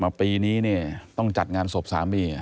ปีนี้เนี่ยต้องจัดงานศพสามี